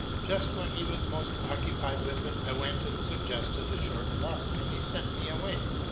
Just when he was most occupied with it, I went and suggested a short walk, and he sent me away.